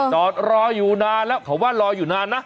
จอดรออยู่นานแล้วเขาว่ารออยู่นานนะ